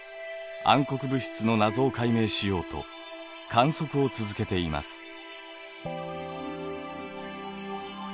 暗黒物質の謎を解明しようと観測を続けています。